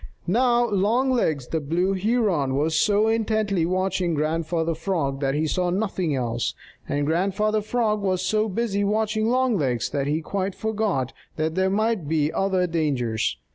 Now Longlegs the Blue Heron was so intently watching Grandfather Frog that he saw nothing else, and Grandfather Frog was so busy watching Longlegs that he quite forgot that there might be other dangers.